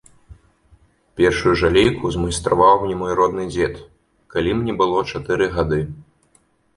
Першую жалейку змайстраваў мне мой родны дзед, калі мне было чатыры гады.